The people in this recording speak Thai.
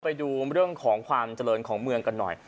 ไปดูเรื่องของความเจริญของเมืองกันหน่อย